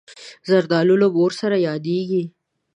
زردالو له مور سره یادېږي.